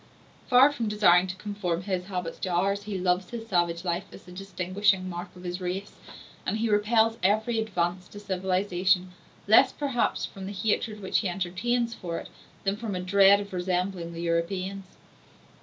Far from desiring to conform his habits to ours, he loves his savage life as the distinguishing mark of his race, and he repels every advance to civilization, less perhaps from the hatred which he entertains for it, than from a dread of resembling the Europeans.